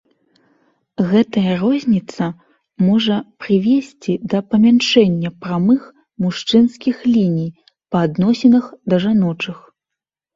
Гэтая розніца можа прывесці да памяншэння прамых мужчынскіх ліній па адносінах да жаночых.